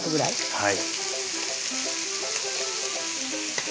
はい。